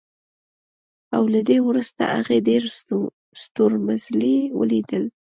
او له دې وروسته هغې ډېر ستورمزلي ولیدل